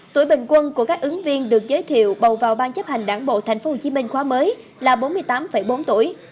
tuổi bình quân của các ứng viên được giới thiệu bầu vào ban chấp hành đảng bộ tp hcm khóa mới là bốn mươi tám bốn tuổi